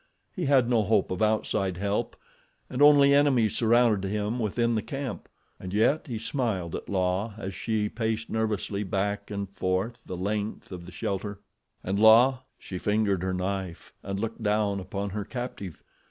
He had no hope of outside help and only enemies surrounded him within the camp, and yet he smiled at La as she paced nervously back and forth the length of the shelter. And La? She fingered her knife and looked down upon her captive.